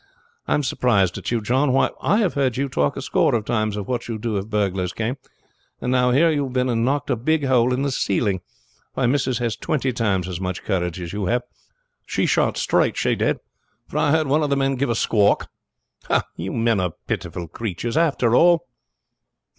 I am surprised at you, John. Why, I have heard you talk a score of times of what you would do if burglars came; and now here you have been and knocked a big hole in the ceiling. Why missus has twenty times as much courage as you have. She shot straight, she did, for I heard one of the men give a squalk. Oh, you men are pitiful creatures, after all!"